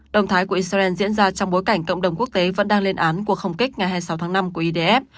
động thái của israel diễn ra trong bối cảnh cộng đồng quốc tế vẫn đang lên án cuộc không kích ngày hai mươi sáu tháng năm của idf